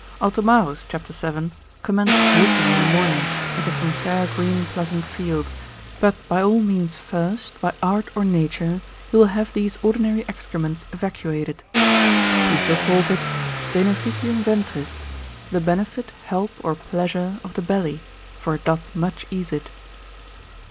Altomarus, cap. 7, commends walking in a morning, into some fair green pleasant fields, but by all means first, by art or nature, he will have these ordinary excrements evacuated. Piso calls it, Beneficium ventris, the benefit, help or pleasure of the belly, for it doth much ease it.